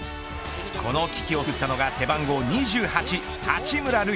この危機を救ったのが背番号２８八村塁。